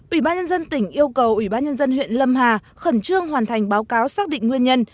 ubnd tỉnh yêu cầu ubnd huyện lâm hà khẩn trương hoàn thành báo cáo xác định nguyên nhân